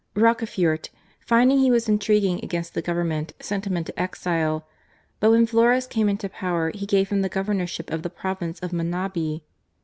Rocafuerte, finding he was intriguing against the Government, sent him into exile, but when Flores came into power he gave him the Governorship of the province of Manabi.